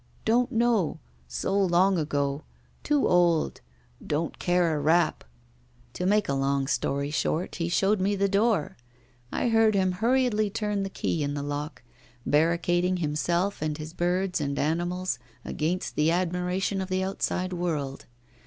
"Don't know so long ago too old don't care a rap." To make a long story short, he showed me the door; I heard him hurriedly turn the key in lock, barricading himself and his birds and animals against the admiration of the outside world.